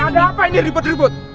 ada apa ini ribut ribut